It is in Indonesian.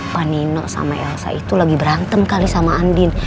pak nino sama elsa itu lagi berantem kali sama andin